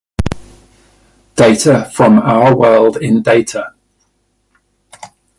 Data from Our World in Data.